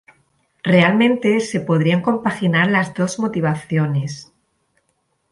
Realmente, se podrían compaginar las dos motivaciones.